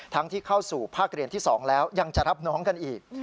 ที่เข้าสู่ภาคเรียนที่๒แล้วยังจะรับน้องกันอีก